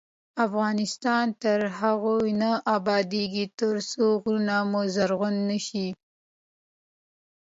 افغانستان تر هغو نه ابادیږي، ترڅو غرونه مو زرغون نشي.